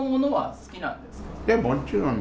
もちろん。